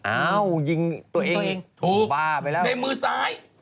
อ้าวยิงตัวเองบ้าไปแล้ว